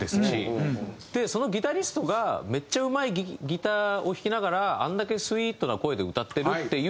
でそのギタリストがめっちゃうまいギターを弾きながらあれだけスイートな声で歌ってるっていう